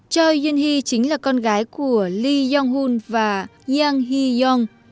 choi yoon hee chính là con gái của lee young hun và yang hee yong